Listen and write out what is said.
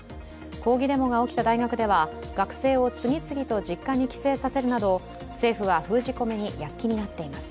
抗議デモが起きた大学では学生を次々と実家に帰省させるなど政府は封じ込めに躍起になっています。